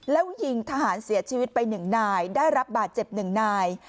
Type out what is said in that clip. แล้วยิงทหารเสียชีวิตไป๑นายได้รับบาดเจ็บ๑นาย